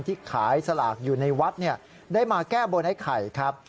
ที่ขายสลากอยู่ในวัดได้มาแก้บนไอ้ไข่ครับ